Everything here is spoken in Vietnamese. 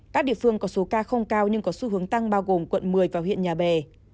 các địa phương có số ca không cao nhưng có xu hướng tăng bao gồm quận một mươi và huyện nhà bè